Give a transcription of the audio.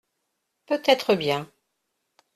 Peut-être bien.